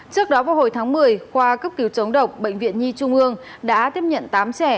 trước đó vào hồi tháng một mươi khoa cấp cứu chống độc bệnh viện nhi trung ương đã tiếp nhận tám trẻ